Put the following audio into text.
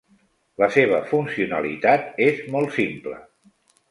La seva funcionalitat és molt simple.